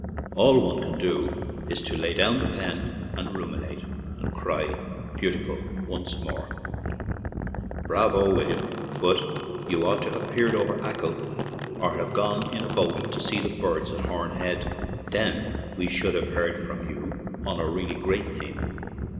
All one can do is to lay down the pen and ruminate, and cry 'Beautiful'/ once more/' Bravo, William! but you ought to have peered over Achill, or have gone in a boat to see the birds at Horn Head; then we should have heard from you on a really great theme.